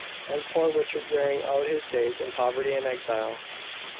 And poor Richard wearing out his days in poverty and exile!"